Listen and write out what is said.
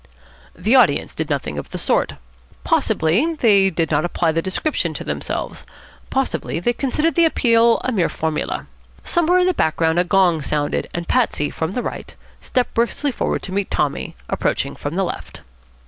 The audience did nothing of the sort. Possibly they did not apply the description to themselves. Possibly they considered the appeal a mere formula. Somewhere in the background a gong sounded, and Patsy, from the right, stepped briskly forward to meet Tommy, approaching from the left.